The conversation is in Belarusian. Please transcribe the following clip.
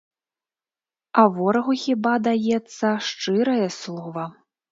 А ворагу хіба даецца шчырае слова?